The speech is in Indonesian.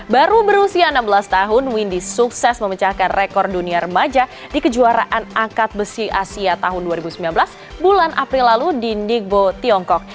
baru berusia enam belas tahun windy sukses memecahkan rekor dunia remaja di kejuaraan angkat besi asia tahun dua ribu sembilan belas bulan april lalu di nigbo tiongkok